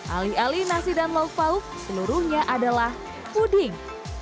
alih alih nasi dan lauk pauk seluruhnya adalah puding